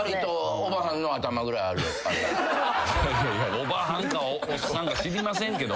おばはんかおっさんか知りませんけど。